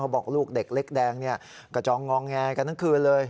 บอกลูกเด็กเล็กแดงกระจองงองแงกันทั้งคืนเลย